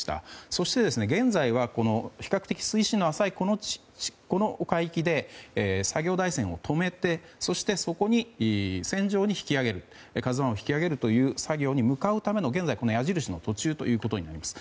そして現在は比較的、水深の浅いこの海域で作業台船を止めてそして、船上に「ＫＡＺＵ１」を引き揚げる作業に向かうための現在矢印の途中となります。